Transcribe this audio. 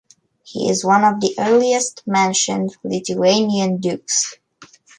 He is one of the earliest mentioned Lithuanian dukes.